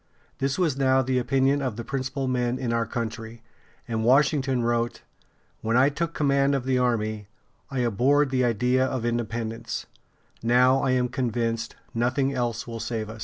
This was now the opinion of the principal men in our country, and Washington wrote: "When I took command of the army, I abhorred the idea of independence; now I am convinced nothing else will save us."